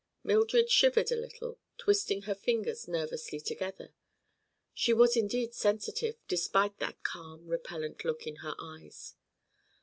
Mildred shivered a little, twisting her fingers nervously together. She was indeed sensitive, despite that calm, repellent look in her eyes.